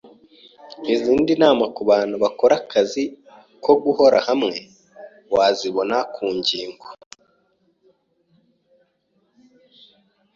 Izindi nama ku bantu bakora akazi ko guhora hamwe, wazibona ku ngingo